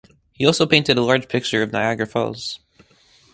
He also painted a large picture of Niagara Falls.